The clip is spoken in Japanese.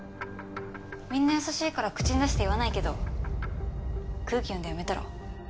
みんな優しいから口に出して言わないけど空気読んで辞めたら？